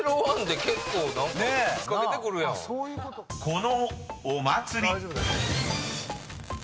［このお祭り］